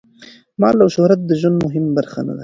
مال او شهرت د ژوند مهمه برخه نه دي.